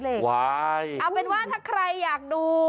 เอาเป็นว่าถ้าใครอยากดู